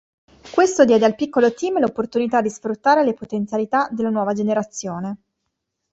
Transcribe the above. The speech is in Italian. Questo diede al piccolo team l'opportunità di sfruttare le potenzialità della nuova generazione.